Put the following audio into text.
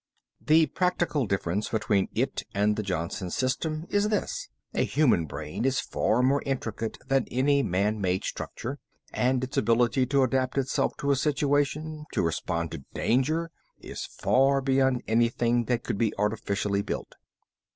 The practical difference between it and the Johnson system is this: a human brain is far more intricate than any man made structure, and its ability to adapt itself to a situation, to respond to danger, is far beyond anything that could be artificially built."